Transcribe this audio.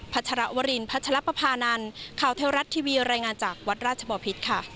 ชรวรินพัชรปภานันข่าวเทวรัฐทีวีรายงานจากวัดราชบอพิษค่ะ